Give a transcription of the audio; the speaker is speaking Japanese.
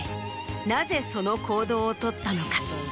なぜその行動をとったのか。